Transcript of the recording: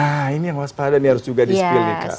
nah ini yang waspada nih harus juga di spill nih kak